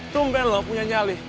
tumben lo punya nyali